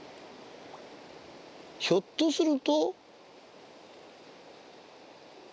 ひょっとすると。